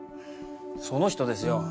その人ですよ。